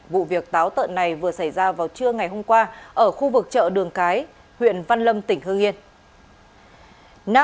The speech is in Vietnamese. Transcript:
vụ việc táo tận này vừa xảy ra vào trưa ngày hôm qua ở khu vực chợ đường cái huyện văn lâm tỉnh hương yên